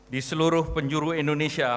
di seluruh penjuru indonesia